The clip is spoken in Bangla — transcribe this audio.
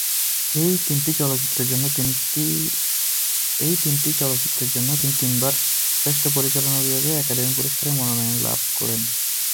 এই তিনটি চলচ্চিত্রের জন্য তিনি তিনবার শ্রেষ্ঠ পরিচালনা বিভাগে একাডেমি পুরস্কারের মনোনয়ন লাভ করেন।